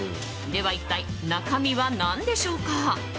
では一体、中身は何でしょうか。